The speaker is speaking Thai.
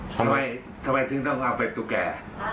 ทำไมถึงต้องเอาเป็นตุ๊กแก่